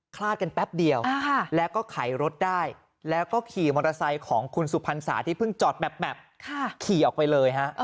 คลาดกันแป๊บเดียวแล้วก็ไขรถได้แล้วก็ขี่มอเตอร์ไซค์ของคุณสุพรรษาที่เพิ่งจอดแบบขี่ออกไปเลยฮะ